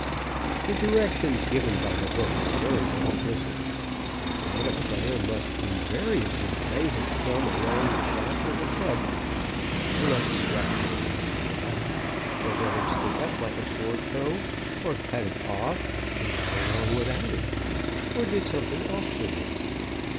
The directions given by the book were very explicit. They said a player must invariably lay his thumb along the shaft of the club, unless he wrapped it around the shaft, or let it stick up like a sore toe, or cut it off and got along without it, or did something else with it.